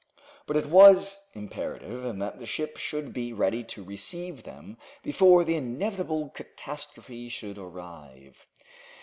But it was imperative that the ship should be ready to receive them before the inevitable catastrophe should arrive.